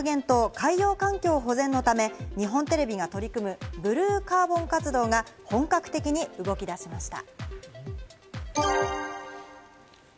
二酸化炭素削減と海洋環境保全のため、日本テレビが取り組むブルーカーボン活動が本格的に動き出しました。